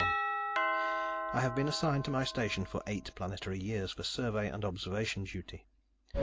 I have been assigned to my station for eight planetary years for survey and observation duty.